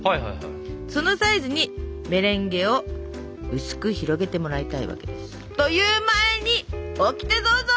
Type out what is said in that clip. そのサイズにメレンゲを薄く広げてもらいたいわけです。という前にオキテどうぞ！